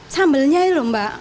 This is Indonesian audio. sambelnya iya mbak